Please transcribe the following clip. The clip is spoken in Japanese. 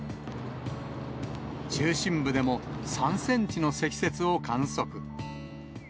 中心部でも、３センチの積雪を観測。